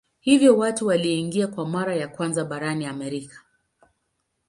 Hivyo watu waliingia kwa mara ya kwanza barani Amerika.